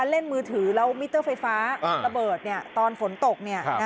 เล่นมือถือแล้วมิเตอร์ไฟฟ้าระเบิดตอนฝนตก